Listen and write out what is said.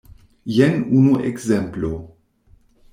Jen unu ekzemplo.